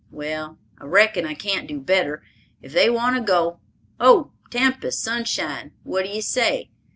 Well, I reckon I can't do better, if they want to go. Ho! Tempest—Sunshine—what d'ye say?